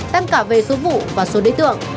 tăng cả về số vụ và số đối tượng